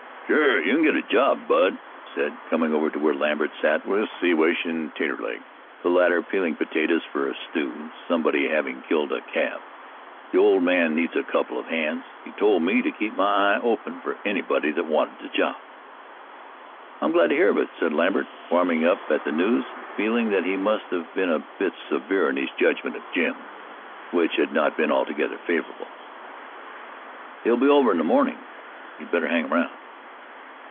"Sure you can git a job, bud," he said, coming over to where Lambert sat with Siwash and Taterleg, the latter peeling potatoes for a stew, somebody having killed a calf. "The old man needs a couple of hands; he told me to keep my eye open for anybody that wanted a job." "I'm glad to hear of it," said Lambert, warming up at the news, feeling that he must have been a bit severe in his judgment of Jim, which had not been altogether favorable. "He'll be over in the morning; you'd better hang around."